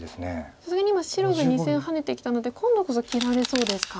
さすがに今白が２線ハネてきたので今度こそ切られそうですか。